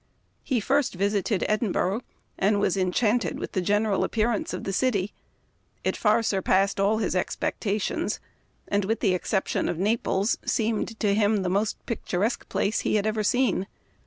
He first visited Edinburgh, and was en chanted with the general appearance of the city. It far surpassed all his expectations, and, with the exception of Naples, seemed to him the most picturesque place he had ever seen.